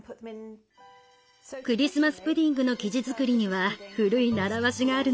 クリスマス・プディングの生地作りには古い習わしがあるのよ。